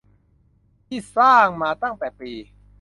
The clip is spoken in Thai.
ที่สร้างมาตั้งแต่ปี